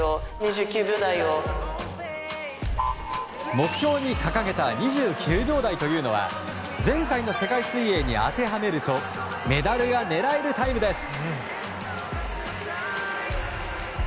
目標に掲げた２９秒台というのは前回の世界水泳に当てはめるとメダルが狙えるタイムです。